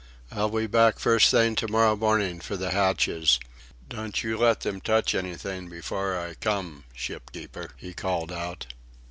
"I'll be back first thing to morrow morning for the hatches. Don't you let them touch anything before I come, shipkeeper," he called out.